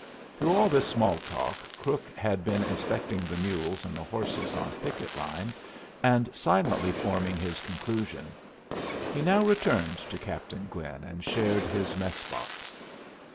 Through all this small talk Crook had been inspecting the mules and the horses on picket line, and silently forming his conclusion. He now returned to Captain Glynn and shared his mess box.